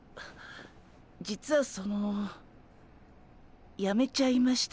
実はそのやめちゃいました。